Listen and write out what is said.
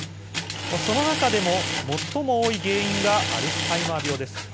その中でも最も多い原因がアルツハイマー病です。